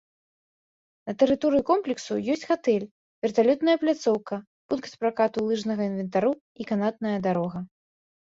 На тэрыторыі комплексу ёсць гатэль, верталётная пляцоўка, пункт пракату лыжнага інвентару і канатная дарога.